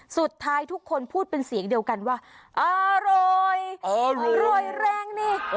สุดท้ายทุกคนพูดเป็นเสียงเดียวกันว่าอร่อยรวยแรงนี่